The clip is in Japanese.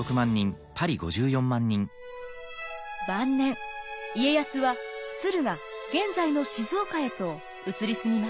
晩年家康は駿河現在の静岡へと移り住みます。